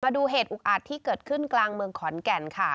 ดูเหตุอุกอาจที่เกิดขึ้นกลางเมืองขอนแก่นค่ะ